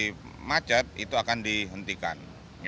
kalau macet itu akan dihentikan